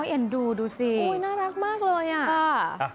เอ็นดูดูสิน่ารักมากเลยอ่ะ